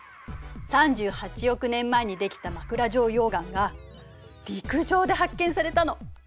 ３８億年前にできた枕状溶岩が陸上で発見されたの。